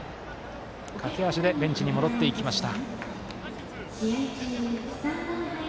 駆け足でベンチに戻っていきました。